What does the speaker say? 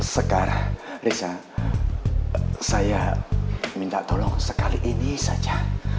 sekarang risa saya minta tolong sekali ini saja